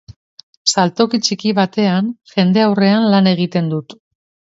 Saltoki txiki batean jendaurrean lan egiten dut.